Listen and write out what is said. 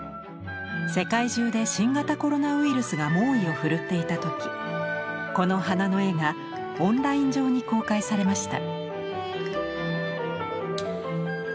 世界中で新型コロナウイルスが猛威を振るっていた時この花の絵がオンライン上に公開されました。